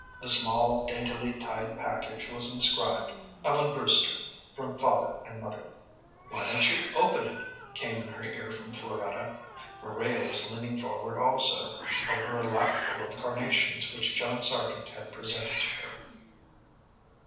The small, daintily tied package was inscribed "Ellen Brewster, from Father and Mother." "Why don't you open it?" came in her ear from Floretta. Maria was leaning forward also, over her lapful of carnations which John Sargent had presented to her.